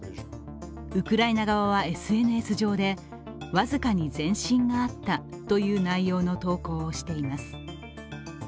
ウクライナ側はＳＮＳ上で僅か前進があったという内容の投稿をしています。